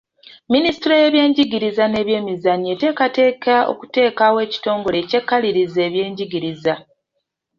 Minisitule y'ebyenjigiriza n'ebyemizannyo eteekateeka okuteekawo ekitongole ekyekaliriza ebyenjigiriza.